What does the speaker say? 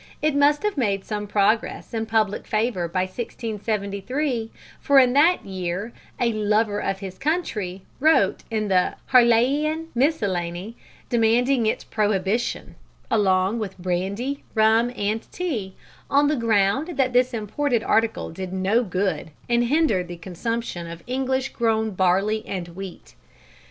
It must have made some progress in public favour by 1673, for in that year "a Lover of his Country" wrote in the Harleian Miscellany demanding its prohibition (along with brandy, rum, and tea) on the ground that this imported article did no good and hindered the consumption of English grown barley and wheat.